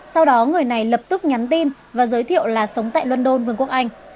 sau đó người này lập tức nhắn tin và giới thiệu là sống tại london vương quốc anh